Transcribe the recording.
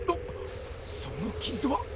その傷は。